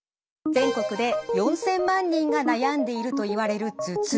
全国で４，０００万人が悩んでいるといわれる頭痛。